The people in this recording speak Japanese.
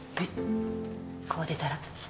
こう出たら